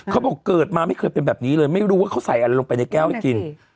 เขาบอกเกิดมาไม่เคยเป็นแบบนี้เลยไม่รู้ว่าเขาใส่อะไรลงไปในแก้วให้กิน